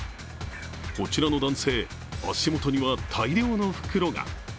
こちらの男性、足元には大量の袋が。